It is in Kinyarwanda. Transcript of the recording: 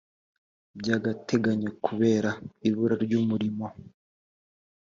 by’agateganyo kubera ibura ry’umurimo